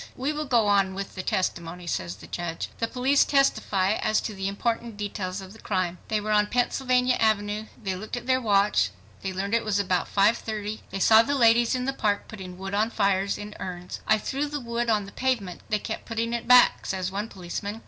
"We will go on with the testimony," says the judge. The police testify as to the important details of the crime. They were on Pennsylvania Avenue—they looked at their watch—they learned it was about 5:30—they saw the ladies in the park putting wood on fires in urns. "I threw the wood on the pavement; they kept putting it back," says one policeman.